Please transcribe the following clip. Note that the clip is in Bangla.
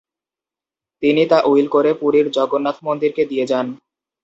তিনি তা উইল করে পুরীর জগন্নাথ মন্দিরকে দিয়ে যান।